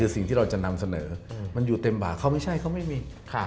สิ่งที่เราจะนำเสนอมันอยู่เต็มบากเขาไม่ใช่เขาไม่มี